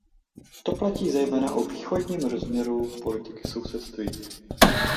To platí zejména o východním rozměru politiky sousedství.